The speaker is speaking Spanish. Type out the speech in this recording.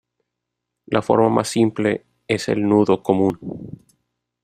La forma más simple es el nudo común.